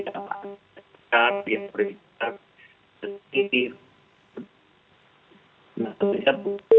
apakah yang berasal dari kasusnya apa yang berasal dari kasusnya apa yang berasal dari kasusnya